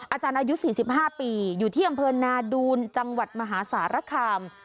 อาจารย์อายุ๔๕ปีอยู่ที่อำเพิร์นนาดูลจังหวัดมหาศาสตร์ระกะม